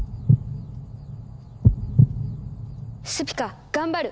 スピカ頑張る。